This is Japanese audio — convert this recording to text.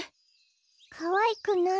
かわいくない。